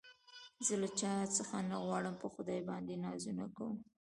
زه له چا څه نه غواړم په خدای باندې نازونه کوم